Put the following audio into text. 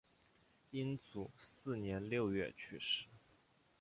英祖四年六月去世。